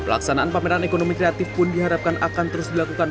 pelaksanaan pameran ekonomi kreatif pun diharapkan akan terus dilakukan